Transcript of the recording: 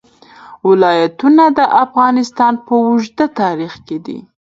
ولایتونه د افغانستان په اوږده تاریخ کې دي.